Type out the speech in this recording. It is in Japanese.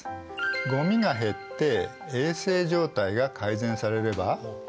ゴミが減って衛生状態が改善されれば。